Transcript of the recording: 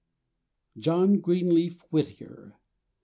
John Greenleaf Whittier.